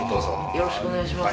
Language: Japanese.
よろしくお願いします。